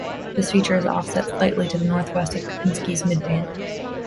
This feature is offset slightly to the northwest of Kepinski's midpoint.